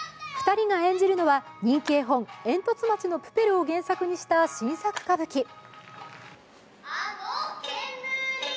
２人が演じるのは、人気絵本「えんとつ町のプペル」を原作にした新作歌舞伎。